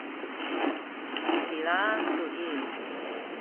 ci Kilang tu i